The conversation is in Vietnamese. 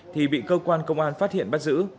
thì bị cơ quan công an phát hiện bắt giữ